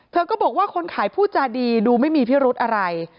เธอก็บอกว่าคนขายพูดจาดีดูไม่มีพิรุธอะไร